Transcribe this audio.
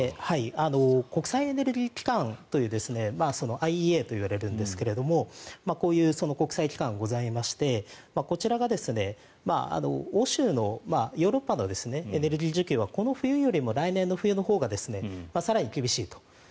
国際エネルギー機関というＩＥＡといわれるんですがこういう国際機関がございましてこちらが欧州のヨーロッパのエネルギー需給はこの冬よりも来年の冬のほうが更に厳しいと。